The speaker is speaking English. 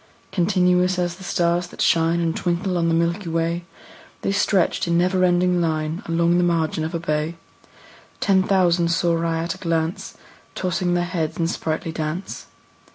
Continuous as the stars that shine And twinkle on the milky way, The stretched in never ending line Along the margin of a bay: Ten thousand saw I at a glance, Tossing their heads in sprightly dance.